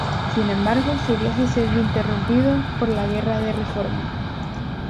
Sin embargo, su viaje se vio interrumpido por la Guerra de Reforma.